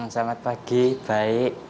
selamat pagi baik